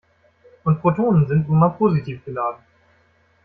Und Protonen sind nun mal positiv geladen.